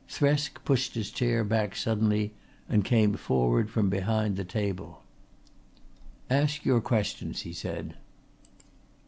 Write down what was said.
Thresk pushed his chair back suddenly and came forward from behind the table. "Ask your questions," he said.